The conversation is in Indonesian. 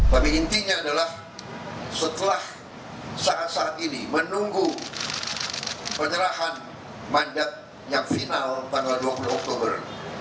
tapi intinya adalah setelah saat saat ini menunggu penyerahan mandat yang final tanggal dua puluh oktober